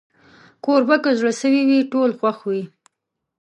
کوربه که زړه سوي وي، ټول خوښ وي.